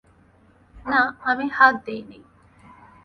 না, আমি হাত দিই নি।